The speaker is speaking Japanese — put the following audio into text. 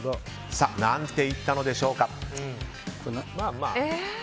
何て言ったのでしょうか。